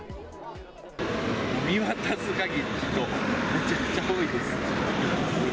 見渡す限り人、めちゃくちゃ多いです。